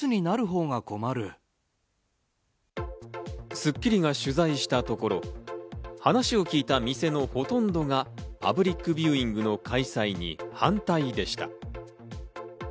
『スッキリ』が取材したところ、話を聞いた店のほとんどがパブリックビューイングの開催に反対でした。